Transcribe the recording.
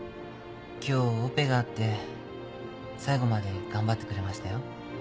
今日オペがあって最後まで頑張ってくれましたよ。